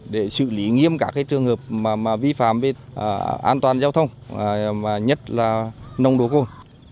để xử lý nghiêm các trường hợp vi phạm về an toàn giao thông nhất là nồng độ cồn